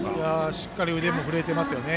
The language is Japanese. しっかり腕も振れていますよね。